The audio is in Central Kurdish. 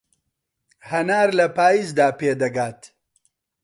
هەنار لە پایزدا پێدەگات.